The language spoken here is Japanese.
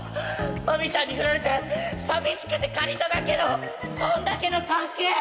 麻美ちゃんに振られて寂しくて借りただけのそんだけの関係！